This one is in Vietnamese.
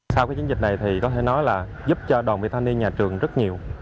sau cái chiến dịch này thì có thể nói là giúp cho đồng việt nam đi nhà trường rất nhiều